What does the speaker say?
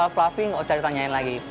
kalau soal fluffy nggak usah ditanyain lagi